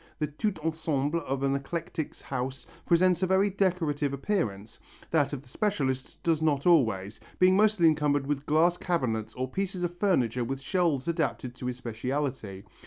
The tout ensemble of an eclectic's house presents a very decorative appearance, that of the specialist does not always, being mostly encumbered with glass cabinets or pieces of furniture with shelves adapted to his speciality.